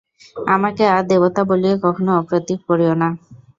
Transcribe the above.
আমাকে আর দেবতা বলিয়া কখনো অপ্রতিভ করিয়ো না।